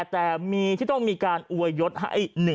แต่มีที่ต้องมีการอวยยศให้